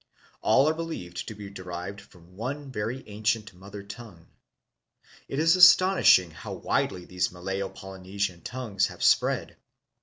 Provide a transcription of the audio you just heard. All are believed to be derived from one very ancient mother tongue. It is astonishing how widely these Malayo Polynesian tongues have spread.